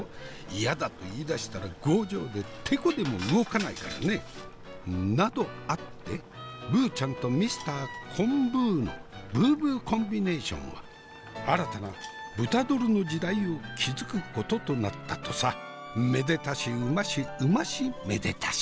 嫌だと言いだしたら強情でテコでも動かないからね」。などあってブーちゃんとミスターコンブーのブーブーコンビネーションは新たなブタドルの時代を築くこととなったとさめでたしうましうましめでたし。